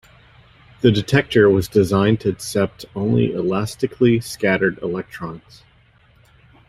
The detector was designed to accept only elastically scattered electrons.